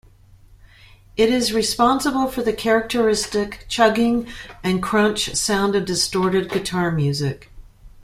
It is responsible for the characteristic "chugging" and "crunch" sound of distorted guitar music.